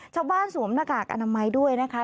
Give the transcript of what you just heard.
ชาวบ้านสวมหน้ากากอนามัยด้วยนะคะ